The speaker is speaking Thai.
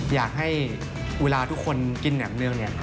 อยากให้เวลาทุกคนกินแนมเนือง